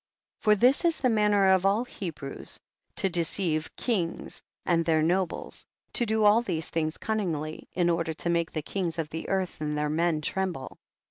8. For this is the manner of all the Hebrews to deceive kings and their nobles, to do all these things cimningiy, in order to make the kings of the earth and their men tremble, 9.